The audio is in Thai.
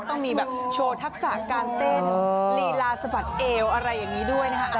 ต้องมีแบบโชว์ทักษะการเต้นลีลาสะบัดเอวอะไรอย่างนี้ด้วยนะคะ